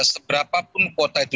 seberapapun kuota itu